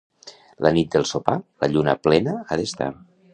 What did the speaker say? La nit del sopar, la lluna plena ha d'estar.